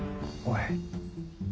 おい。